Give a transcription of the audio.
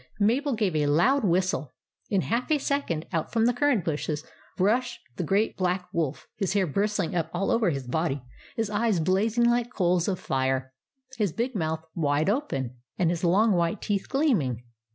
Mabel gave a loud whistle. In half a second, out from the currant bushes rushed the great black Wolf, his hair bristling up all over his body, his eyes blazing like coals of fire, his big mouth wide open, and his long white teeth gleaming.